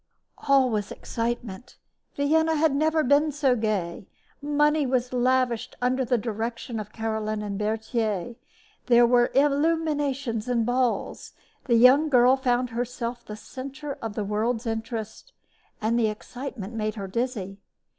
All was excitement. Vienna had never been so gay. Money was lavished under the direction of Caroline and Berthier. There were illuminations and balls. The young girl found herself the center of the world's interest; and the excitement made her dizzy.